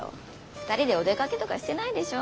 ２人でお出かけとかしてないでしょ？